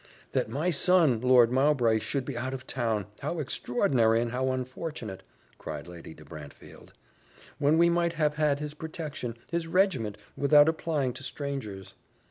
"That my son, Lord Mowbray, should be out of town, how extraordinary and how unfortunate!" cried Lady de Brantefield, "when we might have had his protection, his regiment, without applying to strangers."